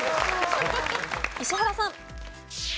石原さん。